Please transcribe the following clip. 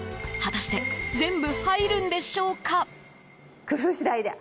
果たして全部入るんでしょうか？